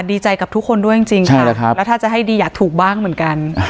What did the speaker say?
ดีใจกับทุกคนด้วยจริงค่ะแล้วถ้าจะให้ดีอยากถูกบ้างเหมือนกัน